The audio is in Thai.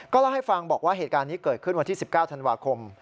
เล่าให้ฟังบอกว่าเหตุการณ์นี้เกิดขึ้นวันที่๑๙ธันวาคม